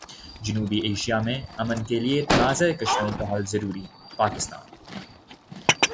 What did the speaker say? جنوبی ایشیا میں امن کیلئے تنازع کشمیر کا حل ضروری، پاکستان